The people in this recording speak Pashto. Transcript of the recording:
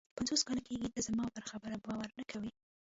پنځوس کاله کېږي ته زما پر خبره باور نه کوې.